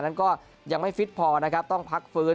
นั้นก็ยังไม่ฟิตพอต้องพักฟื้น